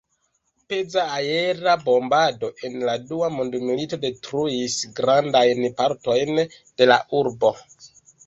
Peza aera bombado en la dua mondmilito detruis grandajn partojn de la urbo.